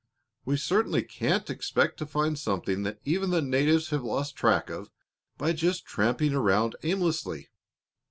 "We certainly can't expect to find something that even the natives have lost track of, by just tramping around aimlessly.